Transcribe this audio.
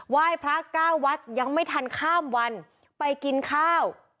ไหว้พระเก้าวัดยังไม่ทันข้ามวันไปกินข้าว